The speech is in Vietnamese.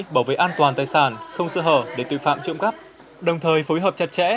bảo vệ an toàn tài sản không sơ hở để tội phạm trộm cắp đồng thời phối hợp chặt chẽ